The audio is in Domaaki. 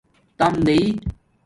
تَام دئئ